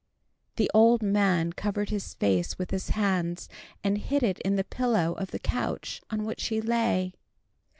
The old man covered his face with his hands, and hid it in the pillow of the couch on which he lay.